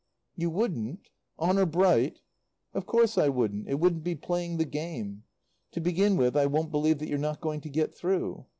"You wouldn't? Honour bright?" "Of course I wouldn't. It wouldn't be playing the game. To begin with, I won't believe that you're not going to get through.